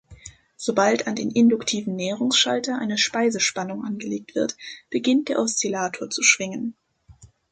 Sobald an den induktiven Näherungsschalter eine Speisespannung angelegt wird, beginnt der Oszillator zu schwingen.